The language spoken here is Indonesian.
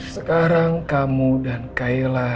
sekarang kamu dan kayla